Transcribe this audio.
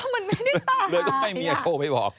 แล้วให้เมียโทรไปบอก